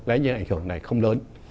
lẽ như ảnh hưởng này không lớn